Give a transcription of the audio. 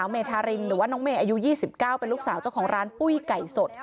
เมธารินหรือว่าน้องเมย์อายุ๒๙เป็นลูกสาวเจ้าของร้านปุ้ยไก่สด